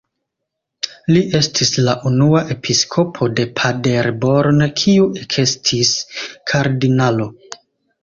Li estis la unua episkopo de Paderborn kiu ekestis kardinalo.